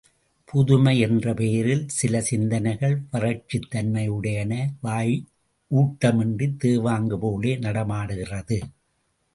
புதுமை என்ற பெயரில் சிலசிந்தனைகள் வறட்சித்தன்மையுடையனவாய் ஊட்டமின்றித் தேவாங்கு போல நடமாடுகிறது.